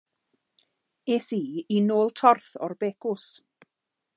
Es i i nôl torth o'r becws.